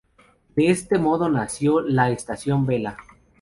De este modo nació la Estación Vela.